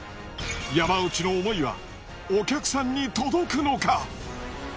山内の思いはお客さんに届くのか？